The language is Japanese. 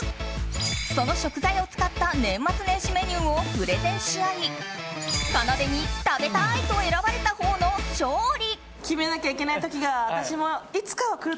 その食材を使った年末年始メニューをプレゼンし合い、かなでに食べたいと選ばれたほうの勝利！